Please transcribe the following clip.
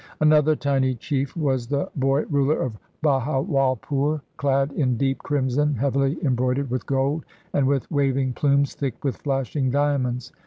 Another tiny chief was the boy ruler of Bahawalpur, clad in deep crimson heavily embroidered with gold, and with waving plumes thick with flashing diamonds.